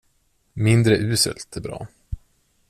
Mindre uselt är bra.